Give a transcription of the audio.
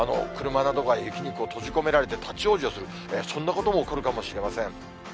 車などが雪に閉じ込められて、立往生する、そんなことも起こるかもしれません。